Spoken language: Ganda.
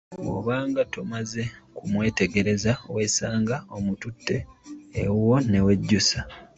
Bw'obaanga tomaze kumwetegereza weesanga omututte ewuwo ne wejjusa.